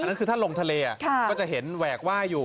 นั่นคือถ้าลงทะเลก็จะเห็นแหวกว่ายอยู่